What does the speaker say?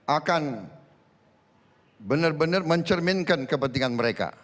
akan benar benar mencerminkan kepentingan mereka